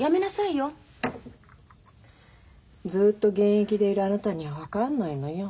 ずっと現役でいるあなたには分かんないのよ。